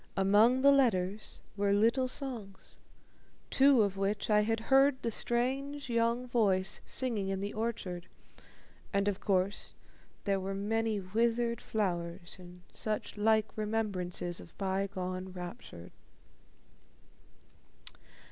Among the letters were little songs, two of which I had heard the strange young voice singing in the orchard, and, of course, there were many withered flowers and such like remembrances of bygone rapture.